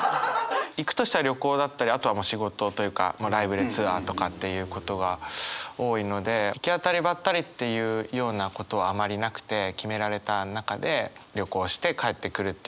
行くとしたら旅行だったりあとは仕事というかライブでツアーとかっていうことが多いので行き当たりばったりっていうようなことはあまりなくて決められた中で旅行して帰ってくるっていうことがほとんどなので。